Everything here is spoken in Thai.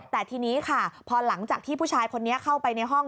แต่ทีนี้ค่ะพอหลังจากที่ผู้ชายคนนี้เข้าไปในห้อง